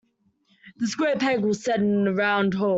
The square peg will settle in the round hole.